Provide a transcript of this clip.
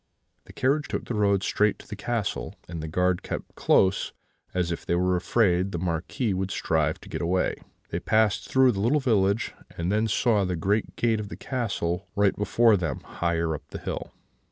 The carriage took the road straight to the castle, and the guard kept close, as if they were afraid the Marquis should strive to get away. They passed through the little village, and then saw the great gate of the castle right before them higher up the hill.